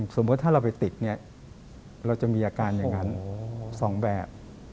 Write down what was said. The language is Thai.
สมมุติถ้าเราไปติดเนี่ยเราจะมีอาการอย่างนั้น๒แบบ